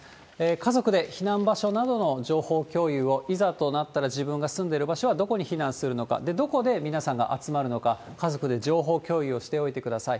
家族で避難場所などの情報共有を、いざとなったら自分が住んでる場所はどこに避難するのか、どこで皆さんが集まるのか、家族で情報共有をしておいてください。